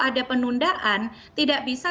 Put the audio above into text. ada penundaan tidak bisa